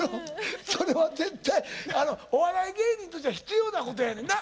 それは絶対お笑い芸人としては必要なことやねんな。